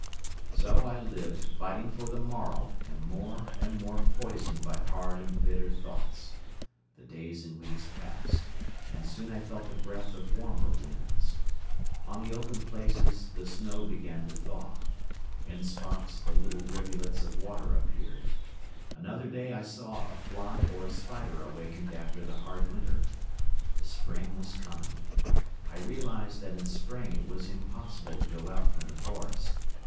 So I lived fighting for the morrow and more and more poisoned by hard and bitter thoughts. The days and weeks passed and soon I felt the breath of warmer winds. On the open places the snow began to thaw. In spots the little rivulets of water appeared. Another day I saw a fly or a spider awakened after the hard winter. The spring was coming. I realized that in spring it was impossible to go out from the forest.